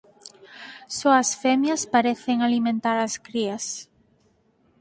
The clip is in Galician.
Só as femias parecen alimentar as crías.